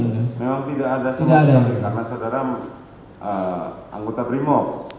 memang tidak ada karena saudara anggota brimo